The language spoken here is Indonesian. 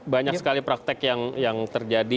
banyak sekali praktek yang terjadi